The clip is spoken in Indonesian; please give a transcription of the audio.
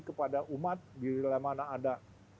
kepada umat bila mana ada